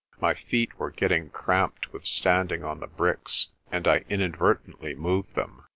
My feet were getting cramped with standing on the bricks, and I inadvertently moved them.